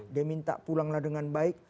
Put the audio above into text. dia minta pulanglah dengan baik